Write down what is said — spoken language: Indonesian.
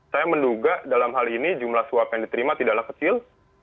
saya menduga dalam hal ini jumlah suap yang diterima tidaklah kecil